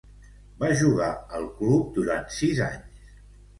Va jugar al club durant sis anys.